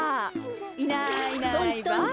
いないいないばあ。